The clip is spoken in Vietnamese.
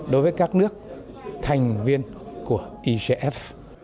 đối với các nước thành viên của igf